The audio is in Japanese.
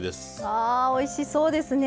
ああおいしそうですね